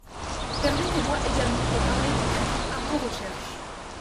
Permettez-moi également de parler du crédit impôt recherche.